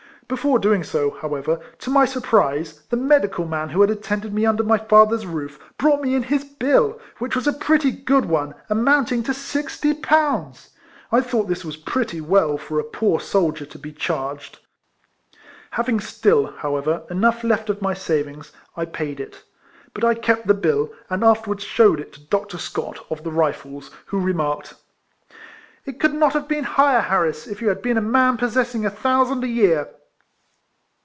Before doing so, however, to my surprise, the medical man who had attended me under my father's roof, brought me in his bill, which was a pretty good one, amount 274 RECOLLECTIONS OF ing to sixty pounds ! I thought this was pretty well for a poor soldier to be charged. Having stiU, however, enough left of my savings, I paid it; but I kept the bill, and afterwards shewed it to Dr. Scott, of the Rifles, who remarked —" It could not have been higher, Harris, if you had been a man possessing a thousand a year."